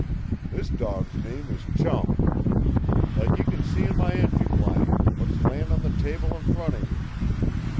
"This dawg's name is Chum. Like you c'n see in my entry blank, what's layin' on the table in front of you.